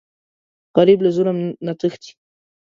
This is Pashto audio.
غریب له ظلم نه تښتي